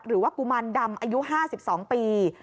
หรือว่ากุมารดำอายุ๕๒ปี